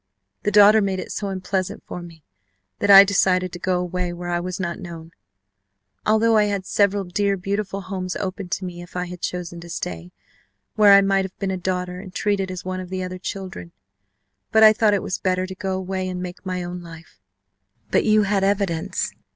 The daughter made it so unpleasant for me that I decided to go away where I was not known, although I had several dear beautiful homes opened to me if I had chosen to stay, where I might have been a daughter and treated as one of the other children. But I thought it was better to go away and make my own life " "But you had evidence.